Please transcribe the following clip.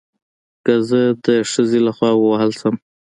که زه د خځې له خوا ووهل شم